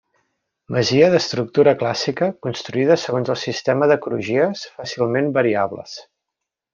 Masia d'estructura clàssica, construïda segons el sistema de crugies, fàcilment variables.